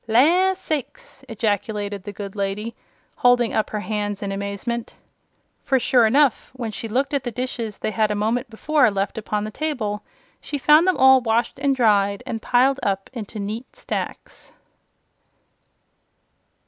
"La sakes!" ejaculated the good lady, holding up her hands in amazement. For, sure enough, when she looked at the dishes they had a moment before left upon the table, she found them all washed and dried and piled up into neat stacks.